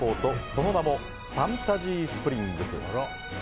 その名もファンタジースプリングス。